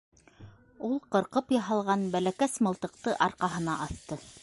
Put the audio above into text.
Ул ҡырҡып яһалған бәләкәс мылтыҡты арҡаһына аҫты.